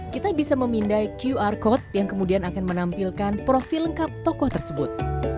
kita bisa memindai qr code yang kemudian akan menampilkan profil lengkap tokoh tersebut